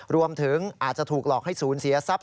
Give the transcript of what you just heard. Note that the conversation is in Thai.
รวมถึงอาจจะถูกหลอกให้ศูนย์เสียทรัพย